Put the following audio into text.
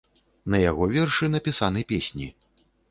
На яго вершы напісаны песні.